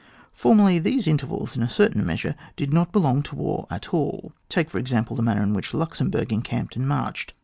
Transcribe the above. Formerly these intervals in a certain measure did not belong to war at all. Take for example the manner in which Luxemburg encamped and marched.